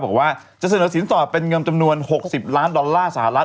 บอกว่าจะเสนอสินต่อเป็นเงินจำนวน๖๐ล้านดอลลาร์สหรัฐ